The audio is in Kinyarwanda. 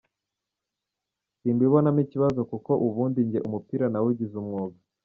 Simbibonamo ikibazo kuko ubundi njye umupira nawugize umwuga.